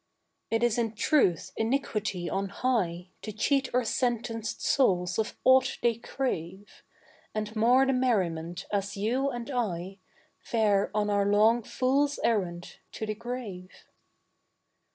It is in truth iniquity on high To cheat our sentenced souls of aught they crave, And mar the merriment as you and I Fare on our long fool's errand to the grave.